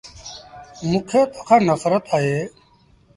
موݩ کي تو کآݩ نڦرت اهي۔